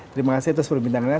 terima kasih atas perbincangannya